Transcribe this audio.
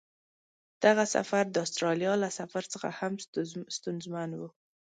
دغه سفر د استرالیا له سفر څخه هم ستونزمن و.